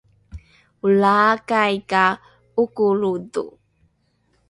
olaakai ka ’okolodho